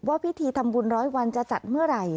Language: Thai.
ว่าพิธีทำบุญ๑๐๐วันจะจัดเมื่อไหร่